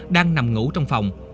đang nằm ngủ trong phòng